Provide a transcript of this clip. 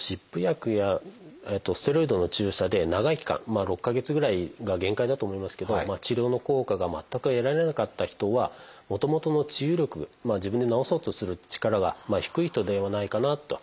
まあ６か月ぐらいが限界だと思いますけど治療の効果が全く得られなかった人はもともとの治癒力自分で治そうとする力が低い人ではないかなと。